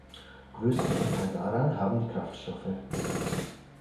Größten Anteil daran haben die Kraftstoffe.